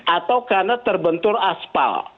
atau karena terbentur aspal